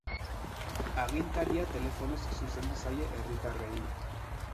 Agintaria telefonoz zuzendu zaie herritarrei.